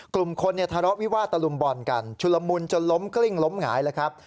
กลุ่มคนเนี่ยทะเลาะวิวาดตะลุมบ่อนกันชุลมุนจนล้มกลิ้งล้มหงายเลยครับ